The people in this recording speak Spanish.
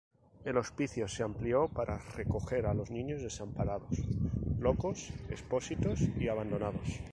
El hospicio se amplió para recoger a los niños desamparados, locos, expósitos y abandonados.